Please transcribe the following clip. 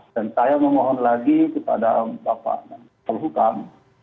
dan saya memohon lagi kepada bapak polukam